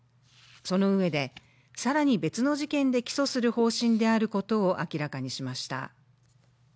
そのうえで更に別の事件で起訴する方針であることを明らかにしました。